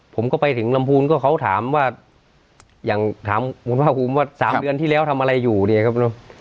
ผมก็ไปถึงลำพูนก็เขาถามว่าอย่างถามคุณภาคภูมิว่า๓เดือนที่แล้วทำอะไรอยู่เนี่ยครับ